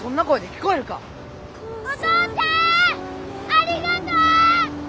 ありがとう！